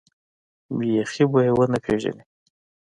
بيخي به يې ونه پېژنې.